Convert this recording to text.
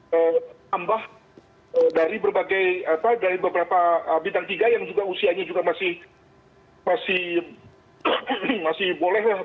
dan tambah dari beberapa bintang tiga yang usianya juga masih boleh